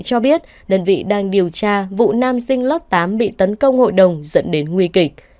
cho biết đơn vị đang điều tra vụ nam sinh lớp tám bị tấn công hội đồng dẫn đến nguy kịch